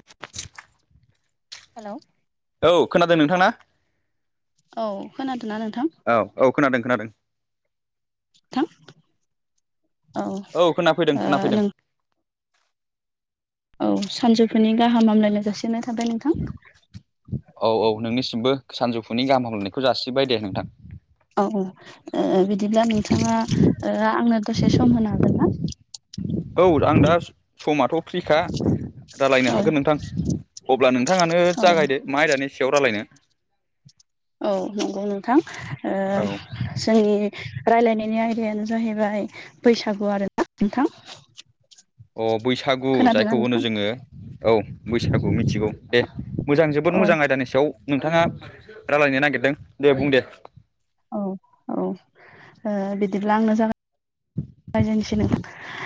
[inaudible] Hello औ खोनादों नोंथां ना औ खोनादों ना नोंथां औ औ खोनादों खोनादों थां औ खोनाफैदों ओ खोनाफैदों नों औ सानजौफुनि गाहाम हामलायनाय जासिहरनाय थाबाय नोंथां औ औ नोंनिसिमबो सानजौफुनि गाहाम हामलनायखौ जासिबाय दे नोंथां औ औ ओ बिदिब्ला नोंथाङा ओ आंनो दसे सम होनो हागोनना। औ आं दा समाथ' फ्रिखा रायलायनो औ हागोन नोंथां अब्ला नोंथाङानो औ जागायदो मा आयदानि सायाव रायलायनो। औ नंगौ नोंथां ओ औ जोंनि रायलायनायनि आयदायानो जाहैबाय बैसागु आरोना नोंथां। अ बैसागु खोनादोंना जायखौ होननो नोंथां? जोंङो औ बैसागु मिथिगौ। दे मोजां जोबोद औ मोजां आयदानि सायाव नोंथांङा रायलायनो नागिरदों दे बुं दे। औ औ ओ बिदिब्ला आंनो जागाय जायजेनसै नोंथां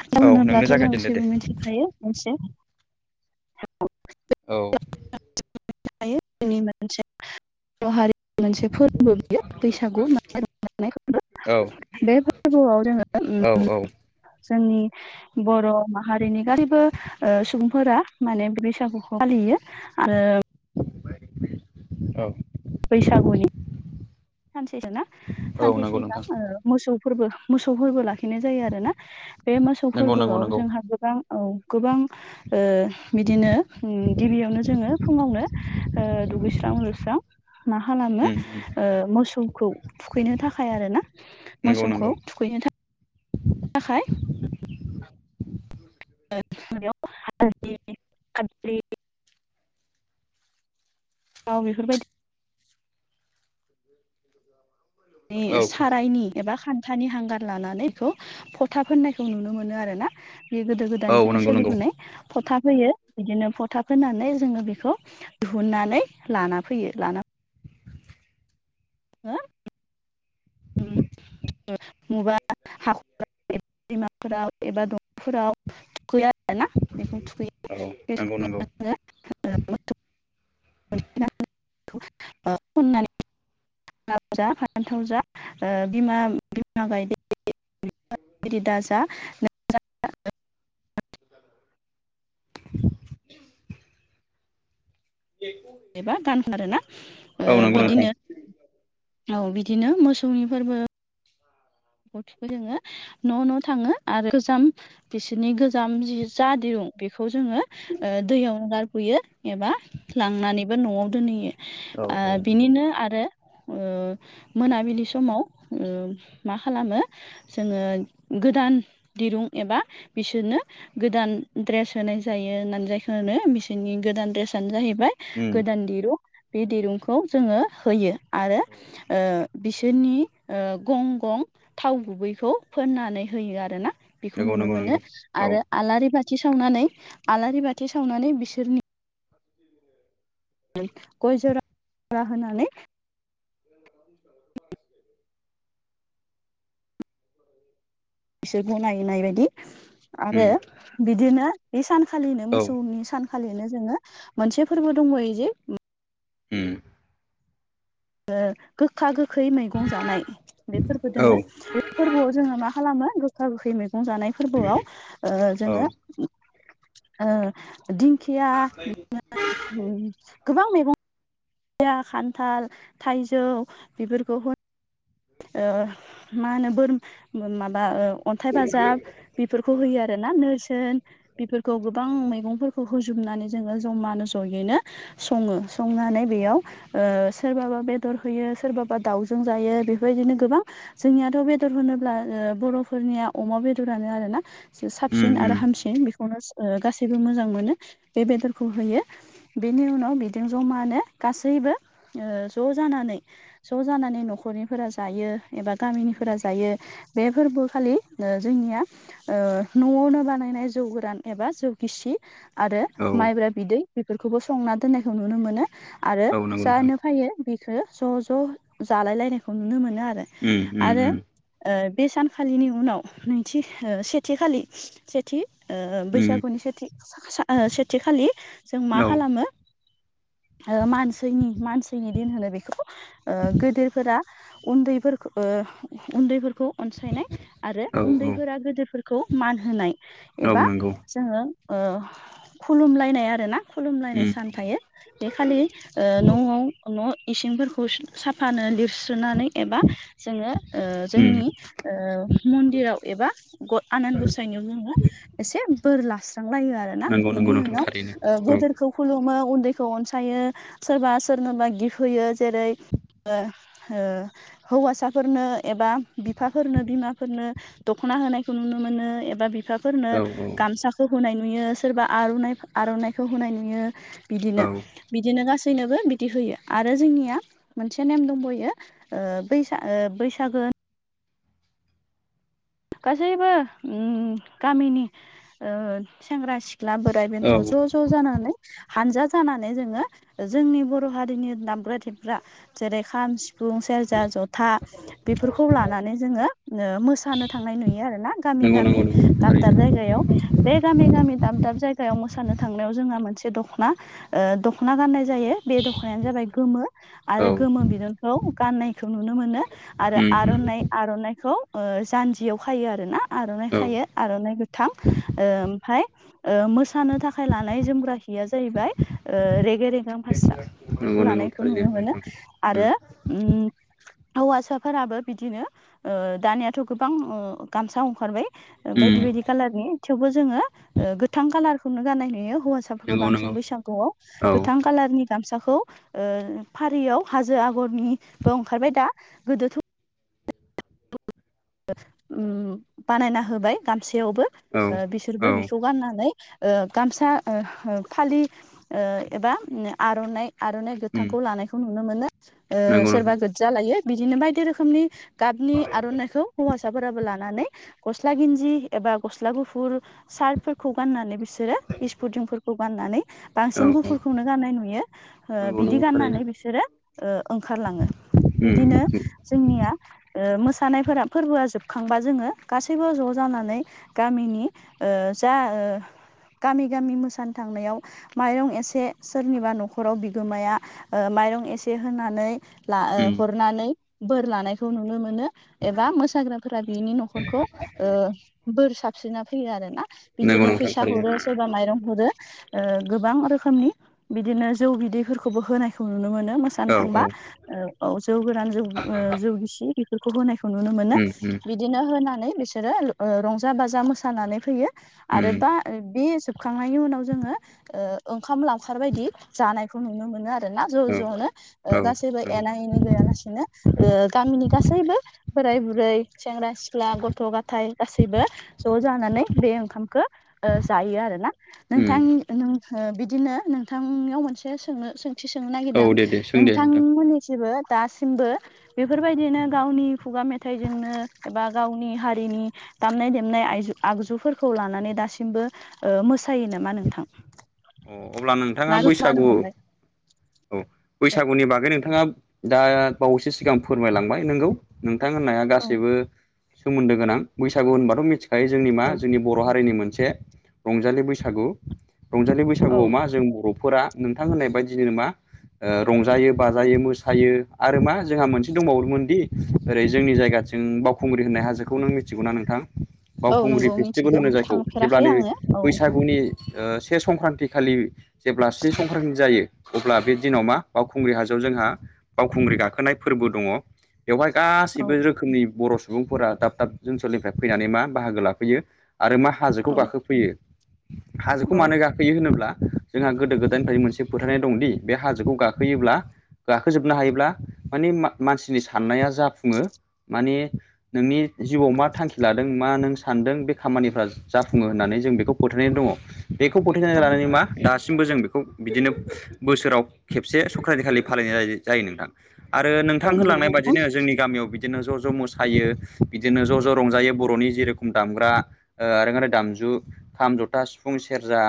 सौ औ नोंनो होनोब्लाथ' जों जागायजेनदो दे सेबो मिथिखायो मोनसे औ नि मोनसे बर' हारि मोनसे फोरबो बियो बैसागु मान रजानाय फोरबो औ बे फोरबोआव जोङो औ उम औ जोंनि बर' माहारिनि गासैबो ओ सुबुंफोरा माने बैसागुखौ फालियो। आरो औ बैसागुनि सानसे जों ना औ सानसे नंगौ सिगां नोंथां मोसौफोरबो मोसौ फोरबो लाखिनाय जायो आरोना। बे मोसौ नंगौ नंगौ फोरबोआव नंगौ। जोंहा गोबां औ गोबां ओ बिदिनो गिबियावनो जोंङो फुंङावनो ओ दुगैस्रां जुस्रां मा खालामो उम उम ओ मोसौखौ थुखैनो थाखाय आरो ना नंगौ नंगौ मोसौखौ थुखैनो थाखाय [unintelligible] याव बेफोरबायदि नि औ सारायनि एबा खान्थानि हांगार लानानै खौ फथा फोननायखौ नुनो मोनो आरोना बे गोदो गोदायनिफ्रायनो नंगौ नंगौ सोलिबोनाय फथाब होयो बिदिनो फथाब फोननानै जोंङो बेखौ दिहुननानै लाना फैयो लाना हो [unintelligible] फोराव थुखैयो आरोना औ बेखौ नंगौ नंगौ थुखैयो बेखौ थुखैय [unintelligible] [unintelligible] बिमा बिमा बायदि दाजा [inaudible] बेखौ एबा गानो आरोना ओ नोंथां बिदिनो औ बिदिनो मोसौनि फोरबो अ थुखौ जोंङो न' न' थांङो आरो गोजाम बिसोरनि गोजाम जि जा दिरुं बेखौ जोंङो ओ दैयावनो गारबो'यो एबा लांनानैबो न'आव दोनहैयो। औ ओ औ नंगौ बिनिनो आरो मोनाबिलि समाव ओ मा खालामो जोंङो गोदान दिरुं एबा बिसोरनो गोदान ड्रेस होनाय जायो होननानै जायखौ होनो मेसिननि गोदान ड्रेस आनो जाहैबाय उम गोदान दिरुं बे दिरुंखौ जोंङो होयो आरो ओ बिसोरनि ओ गं गं थाव गुबैखौ फोननानै होयो आरोना। बेखौ नंगौ नुनो नंगौ मोनो नंगौ औ आरो आलारि बाथि सावनानै आलारि बाथि सावनानै बिसोरनि नोय गय जरा जरा होनानै [inaudible] बिसोर गनायनाय बायदि आरो उम बिदिनो बे सानखालिनो औ मोसौनि सान खालिनो जोंङो मोनसे फोरबो दंबावयो जे उम ओ गोखा गोखै मैगं जानाय बेफोरबो दोंङो औ फोरबोआव जोंङो मा खालामो गोखा गोखै मैगं जानाय फोरबोआव ओ औ जोंङो दिंखिया बिदिनो गोबां मैगं या खान्थाल, थाइजौ बेफोरखौ होन ओ मा होनो बोर माबा अन्थाइ बाजाब बेफोरखौ होयो आरो ना नोरसोन बेफोरखौ गोबां मैगंफोरखौ होजोबनानै जोङो जमानो ज'यैनो। सङो संनानै बेयाव सोरबाबा बेदर होयो सोरबाबा दाउजों जायो बे बेबायदिनो गोबां जोंनियाथ' बेदर होनोब्ला बर'फोरनिया अमा बेदरानो आरोना उम साबसिन आरो हामसिन बेखौनो गासैबो मोजां मोनो बे बेदरखौ होयो बेनि उनाव बिजों जमानो गासैबो ओ ज' जानानै ज' जानानै न'खरनि फोरा जायो एबा उम गामिनिफोरा जायो बे फोरबो खालि ओ जोंनिया ओ न'आवनो बानायनाय जौ गोरान एबा जौ गिसि आरो औ माइब्रा बिदै बेफोरखौबो संना दोननायखौ नुनो मोनो आरो औ नंगौ नोंथां जानो फैयो बिखौ ज' ज' जालायलायनायखौ नुनो मोनो आरो उम उम आरो उम ओ बे सानखालिनि उनाव नैथि सेथिखालि सेथि ओ उम बैसागुनि सेथि सेथि खालि जों मा औ खालामो मानसिनि मानसिनि दिन होनो बेखौ गिदिरफोरा उन्दैफोरखौ उन्दैफोरखौ अनसायनाय आरो औ उन्दैफोरा गिदिरफोर खौ मान होनाय एबा नंगौ जोङो ओ- खुलुमलायनाय आरो ना। खुलुमलायनाय उम सान थायो बे खालि ओ- न'- न'- इसिंफोरखौ साफानो लिरस सुनानै एबा जोङो ओ- उम जोंनि ओ- मन्दिराव एबा आनान गसाइनियाव जोङो एसे बोर लास्रांलायो आरोना नंगौ नंगौ बेनि नोंथां उनाव थारैनो ओ- औ गोदोरखौ खुलुमो उन्दैखौ अनसायो सोरबा सोरनोबा गिफ्ट होयो जेरै ओ- ओ- हौवासाफोरनो एबा बिफाफोरनो बिमाफोरनो दख'ना होनायखौ नुनो मोनो एबा बिफा फोरनो औ गामसाखौ होनाय नुयो सोरबा आरना आर'नाइखौ होनाय नुयो औ बिदिनो बिदिनो गासैनोबो बिदि होयो आरो जोंनिया मोनसे नेम दंबावयो बियो ओ बैसाग ओ बैसागो गासैबो अम- गामिनि ओ- सेंग्रा सिख्ला बोराइ बेन्थ' औ ज' ज' ज जानानै हानजा जानानै जोङो जोंनि बर' हारिनि दामग्रा थेग्रा जेरै खाम सिफ सिफुं सेरजा जथा बेफोरखौ लानानै जोङो मोसानो थांनाय नुयो आरो ना गामि नंगौ गामि नंगौ नंगौ दाब थारैनो दाब जायगायाव बे गामि गामि दाब दाब जायगायाव मोसानो थांनायाव जोंहा मोनसे दख'ना दख'ना गाननाय जायो बे दख'नायानो जाबाय गोमो आरो औ गोमो बिदुंखौ गाननायखौ नुनो मोनो आरो उम उम आर'नायइ आर'नाइखौ जानजियाव खायो आरोना आर'नाइ औ खायो आर'नाइ गोथां ओमफफ्राय ओ- मोसानो थाखाय लानाय जोमग्रा हिया जाहैबाय रेगे रेगां फास्रा। बेखौ नंगौ नंगौ लानायखौ नुनो थारैनो मोनो नोंथां उम आरो हौवासाफोराबो बिदिनो दानियाथ' गोबां गामसा ओंखारबाय बायदि उम बायदि कालारनि थेवबो जोङो गोथां कालारखौनो गानाय नुयो हौवासा नंगौ बांसिन नंगौ बैसागु आव औ गोथां कालारनि गामसाखौ फारियाव हाजो आगरनिबो ओंखारबाय दा गोदोथ बानायना होबाय गामसेयावबो औ औ बिसोरबो बिखौ गाननानै ओ- गामसा ओ फालि ओ- एबा आर'नाइ आर'नाइ उम गोथांखौ लानायखौ नुनो ओ- नंगौ सोरबा नोंथां गोज्जा लायो बिदिनो बायदि रोखोमनि गाबनि आर'नाइखौ हौवासाफोराबो लानानै गस्ला गिन्जि एबा गस्ला गुफुर सार्टफोरखौ गाननानै बिसोरो इसफुथिंफोरखौ गाननानै औ बांसिन औ गुफुरखौनो गाननाय नुयो ओ नंगौ बिदि नंगौ थारैनो गाननानै बिसोरो ओ ओंखारलाङो उम बिदिनो जोंनिया ओ मोसानायफोरा फोरबोआ जोबखांबा जोङो गासैबो ज' जानानै गामिनि ओ जा ओ गामि गामि मोसानो थांनायाव माइरं एसे सोरनिबा न'खराव बिगोमाया ओ माइरं एसे होनानै ला ओ उम हरनानै बोर लानायखौ नुनो मोनो एबा मोसाग्राफोरा बिनि न'खरखौ ओ बोर साबस्रिना फैयो आरोना। नंगौ बिदिनो नोंथां फैसा हरो थारैनो सोरबा माइरं हरो गोबां रोखोमनि बिदिनो जौ बिदैफोरखौबो होनायखौ नुनो मोनो म जानो औ थांबा औ औ जौ गोरान ज जौ गिसि बेफोरखौ होनायखौ नुनो मोनो उम उम बिदिनो होनानै बिसोरो रंजा बाजा मोसानानै फैयो उम आरोबा बे जोबखांनायनि उनाव ओ- जोङो ओंखाम लावखार बायदि जानायखौ नुनो मोनो आरो आर ना ज' औ ज'नो औ गासिबो नंगौ एना एनि गैयालासिनो ओ- गामिनि गासैबो बोराय बुरै सेंग्रा सिख्ला गथ' गाथाय गासैबो ज' जानानै बे ओंखामखौ जायो आरो ना। उम नोंथां नों ओ बिदिनो नोंथांनियाव मोनसे सोंनो सों थि सोंनो औ नागिरदों आं दे दे सों दे नोंथां नोंथांमोननिथिंबो दासिमबो बेफोरबायदिनो गावनि खुगा मेथाइजोंनो एबा गावनि हारिनि दामनाय देमनाय आयजु आगजुफोरखौ लानानै दासिमबो ओ मोसायो नामा नोंथां? अ अब्ला ना नोंथाङा गोमानो बैसागु हमबाय औ बैसागुनि बागै नोंथाङा दा बावैसो सिगां फोरमायलांबाय नोंगौ नोंथां होननाया औ गासैबो सोमोन्दो गोनां बैसागु होनबाथ' मि फाय जोंनि मा औ जोंनि बर' हारिनि मोनसे रंजालि बैसागु रंजालि बै औ सागुआव मा जों बर'फोरा नोंथां होननाय बायदिनो मा ओ रंजायो बाजायो मोसायो आरो मा जोंहा मोनसे दंबावोमोनदि ओरै जोंनि जायगा जों बावखुंग्रि होननाय हाजोखौ नों मिथिगौना नोंथां? औ बावखुंग्रि नंगौ फेस्टिभेल मिथिगौ होनो जायखौ थांफेराखै जेब्लानो आङो औ बैसागुनि ओ से संक्रान्ति खालि जेब्ला से संक्रान्ति जायो अब्ला बे दिनाव मा बावखुंग्रि हाजोआव जोंहा बावखुंग्रि गाखोनाय फोरबो दङ। बेवहाय औ गासैबो रोखोमनि बर' सुबुंफोरा दाब दाब ओनसोलनिफ्राय फैनानै मा बाहागो लाफैयो। आरो मा हाजोखौ औ गाखोफैयो हाजोखौ औ मानो गाखोयो होनो ब्ला जोंहा गोदो गोदायनिफ्राय मोनसे फोथायनाय दंदि बे हाजोखौ गाखोयोब्ला गाखोजोबनो हायोब्ला माने मा-मानसिनि साननाया जाफुङो माने नोंनि जिउआव मा थांखि लादों मा नों सानदों बे खामानिफ्रा जाफुङो होननानै जों बेखौ फोथायनाय दङ बेखौ फोथायनाय लानानै मा दासिमबो जों बेखौ बिदिनो बोसोराव खेबसे संक्रन्ति खालि फालिनाय जायो जायो नोंथां। आरो औ नोंथां नंगौ होनलांनाय नोंथां बायदिनो जोंनि गामियाव बि बिदिनो ज' ज' मोसायो बिदिनो ज' ज' रंजायो बर'नि जेरखम दामग्रा ओ ओरोंआरि दामजु खाम जथा सिफुं सेरजा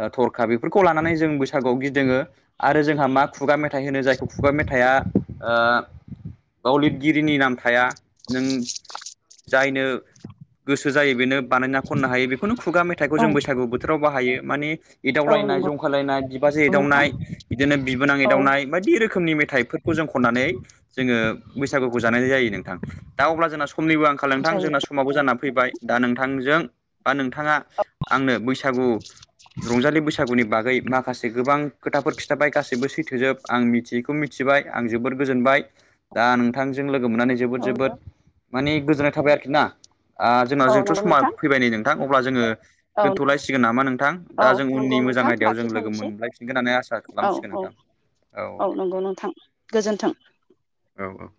ओ थरखा बेफोरखौ लानानै जों बैसागुआव गिदिङो आरो जोंहा मा खुगा मेथाइ होनो जायखौ खुगा मेथाइआ ओ बाव लिरगिरिनि नाम थाया नों जायनो गोसो जायो बेनो बानायना खननो हायो बेखौनो खुगा मेथाइखौ औ जों बैसागु बोथोराव बाहायो माने औ नंगौ एदावलायनाय जंखालायनाय बिबाजै नोंथां एदावनाय बिदिनो बिबोनां औ एदावनाय बायदि रोखोमनि मेथाइफो खौ जों खननानै जोङो बैसागुखौ जानाय जायो नोंथां दा अब्ला जोंना समनिबो आं खाल नोंथां जायो जोंना समावबो जानानानै फैबाय दा नोंथांजों बा नोंथाङा आंनो बैसागु रंजालि बैसागुनि बागै माखासे गोबां खोथाफोर खिथाबाय गासैबो सैथोजोब। आं मिथियैखौ मिथिबाय आं जोबोद गोजोनबाय दा नोंथांजों लोगो मोननानै जोबोद औ जोबोद मानि गोजोननाय थाबाय आरोखि ना? आ जोंनाव औ जिहेथु नंगौ समा नोंथां फैबाय न नों नोंथां अब्ला जोङो औ दोन्थ'लायसिगोन नामा नोंथां? औ दा जों नंगौ उननि मोजां नोंथां आयदायाव जों लोगो लाखिथ'नोसै मोनलायफिनगोन होननानै आसा औ खालामसिगोन औ नोंथां। औ नंगौ नोंथां। गोजोन्थों। औ औ।